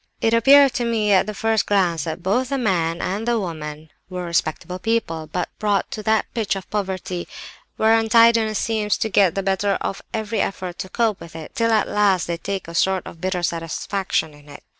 "It appeared to me, at the first glance, that both the man and the woman were respectable people, but brought to that pitch of poverty where untidiness seems to get the better of every effort to cope with it, till at last they take a sort of bitter satisfaction in it.